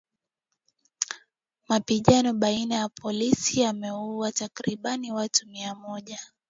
Mapigano baina ya polisi yameuwa takribani watu mia moja